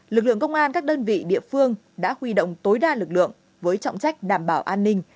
lực lượng công an các đơn vị địa phương đã huy động tối đa lực lượng với trọng trách đảm bảo an ninh